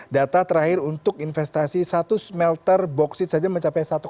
data terakhir untuk investasi satu smelter boksit saja mencapai satu tiga miliar usd